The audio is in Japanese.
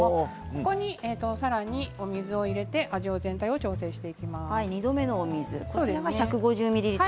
ここで、さらにお水を入れて味を全体に調整します。